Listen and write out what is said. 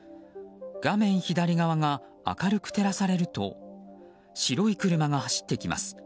画面左側が明るく照らされると白い車が走ってきます。